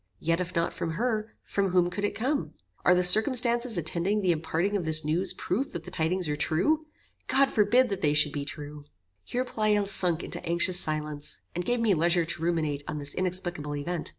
Yet if not from her, from whom could it come? Are the circumstances attending the imparting of this news proof that the tidings are true? God forbid that they should be true." Here Pleyel sunk into anxious silence, and gave me leisure to ruminate on this inexplicable event.